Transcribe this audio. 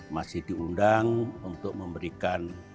masih diundang untuk memberikan